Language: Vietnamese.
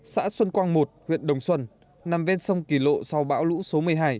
xã xuân quang một huyện đồng xuân nằm ven sông kỳ lộ sau bão lũ số một mươi hai